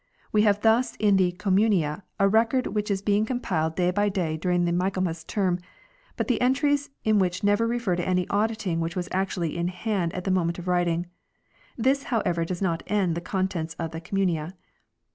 We have thus in the " Communia " a record which is being compiled day by day during the Michaelmas term ; but the entries in which never refer to any audit which was actually in hand at the moment of writing. This, however, does not end the contents of the " Com munia